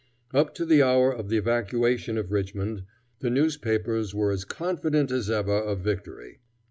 Up to the hour of the evacuation of Richmond, the newspapers were as confident as ever of victory.